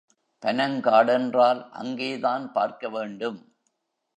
பனங்காடென்றால் அங்கேதான் பார்க்க வேண்டும்.